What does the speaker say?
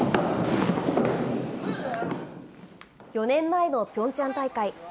４年前のピョンチャン大会。